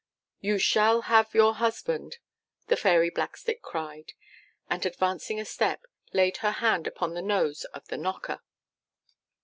'YOU SHALL HAVE YOUR HUSBAND!' the Fairy Blackstick cried; and advancing a step, laid her hand upon the nose of the KNOCKER.